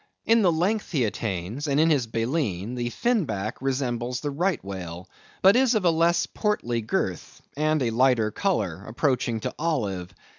In the length he attains, and in his baleen, the Fin back resembles the right whale, but is of a less portly girth, and a lighter colour, approaching to olive.